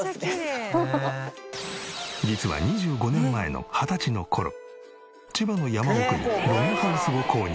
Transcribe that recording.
実は２５年前の二十歳の頃千葉の山奥にログハウスを購入。